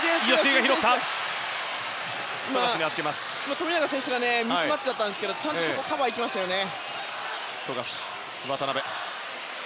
富永選手がミスマッチだったんですけどちゃんとカバーに行きましたね。